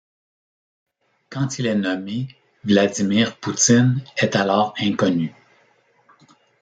Quand il est nommé, Vladimir Poutine est alors inconnu.